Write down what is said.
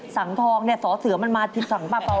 สั่งทองเนี่ยสอเสือมันมาผิดสั่งปลามา